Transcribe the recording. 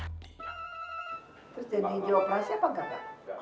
terus jadi dioperasi apa enggak